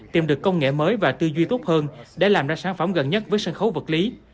tìm được công nghệ mới và tư duy tốt hơn để làm ra sản phẩm gần nhất với sân khấu vật lý